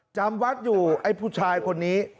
จำวัดอยู่ไอ้ผู้ชายคนนี้